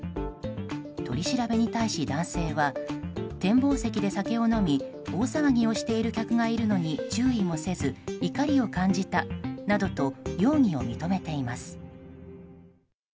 取り調べに対し、男性は展望席で酒を飲み大騒ぎをしている客がいるのに注意もせず怒りを感じたなどと容疑を認めています。